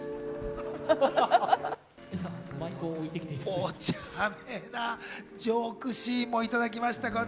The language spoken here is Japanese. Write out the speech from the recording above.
お茶目な、ジョークシーンもいただきました。